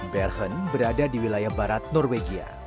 bergen berada di wilayah barat norwegia